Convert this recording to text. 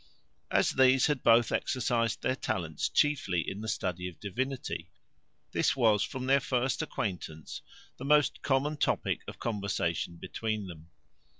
As these had both exercised their talents chiefly in the study of divinity, this was, from their first acquaintance, the most common topic of conversation between them.